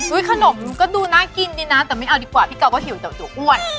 อุ๊ยขนมก็ดูน่ากินดินะแต่ไม่เอาดีกว่าพี่กาวก็หิวแต่ดูอ้วน